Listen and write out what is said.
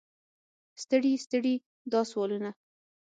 ستړي ستړي دا سوالونه.